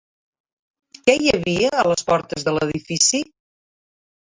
Què hi havia a les portes de l'edifici?